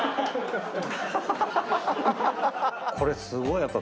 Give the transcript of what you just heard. これすごい。